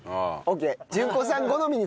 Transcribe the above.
オッケー。